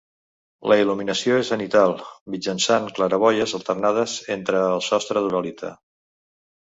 La il·luminació és zenital, mitjançant claraboies alternades entre el sostre d'uralita.